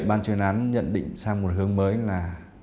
ban chuyên án nhận định sang một hướng mới là